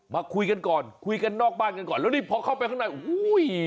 มาคุยกันก่อนคุยกันนอกบ้านกันก่อนแล้วนี่พอเข้าไปข้างในโอ้โห